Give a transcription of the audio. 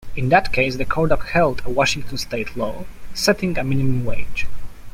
In that case the court upheld a Washington state law setting a minimum wage.